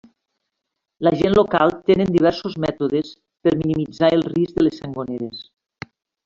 La gent local tenen diversos mètodes per minimitzar el risc de les sangoneres.